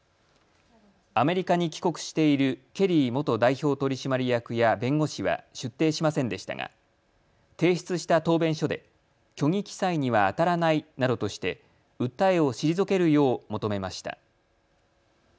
アメリカに帰国しているケリー元代表取締役や弁護士は出廷しませんでしたが提出した答弁書で虚偽記載にはあたらないなどとして訴えを退けるよう求めました。